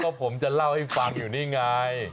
ก็ผมจะเล่าให้ฟังอยู่นี่ไง